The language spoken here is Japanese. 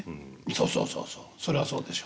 そうそうそうそうそりゃそうでしょ。